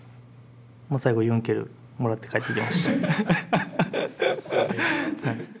最後はユンケルもらって帰ってきました。